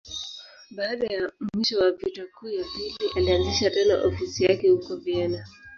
Baada ya mwisho wa Vita Kuu ya Pili, alianzisha tena ofisi yake huko Vienna.